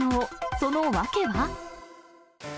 その訳は？